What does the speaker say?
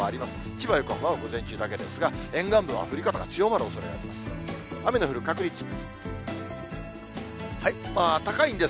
千葉、横浜は午前中だけですが、沿岸部は降り方が強まるおそれがあります。